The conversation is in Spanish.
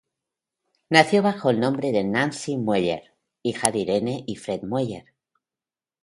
Nació bajo el nombre de Nancy Mueller, hija de Irene y Fred Mueller.